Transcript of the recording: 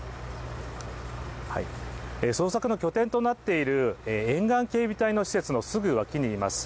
捜索の拠点となっている沿岸警備隊の施設のすぐ脇にいます。